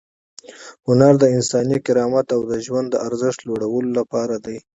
هنر د انساني کرامت او د ژوند د ارزښت د لوړولو لپاره دی.